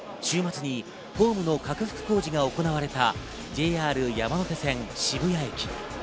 週末にホームの拡幅工事が行われたＪＲ山手線、渋谷駅。